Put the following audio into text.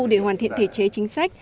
để hoàn thiện thể chế chính sách